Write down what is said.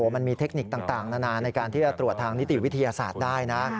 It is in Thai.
มันมีเทคนิคต่างนานาในการที่จะตรวจทางนิติวิทยาศาสตร์ได้นะ